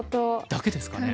だけですかね？